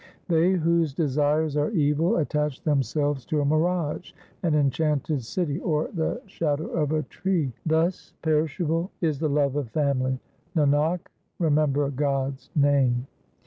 They whose desires are evil, attach themselves to a mirage, an enchanted city, or the shadow of a tree. Thus perishable is the love of family : Nanak remember God's name.